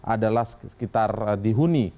adalah sekitar dihuni